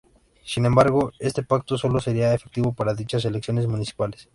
Sin embargo, este pacto solo sería efectivo para dichas elecciones municipales.